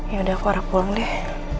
yaudah aku arah pulang deh